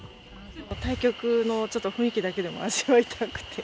対局の、ちょっと雰囲気だけでも味わいたくて。